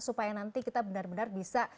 supaya nanti kita benar benar bisa